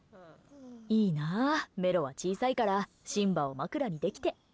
いいな、メロは小さいからシンバを枕にできて。